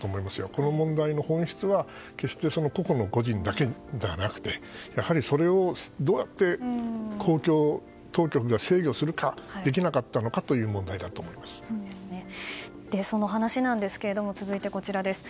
この問題の本質は決して個々の個人だけではなくてやはりそれをどうやって当局が制御するかできなかったのかというその話なんですけども続いて、こちらです。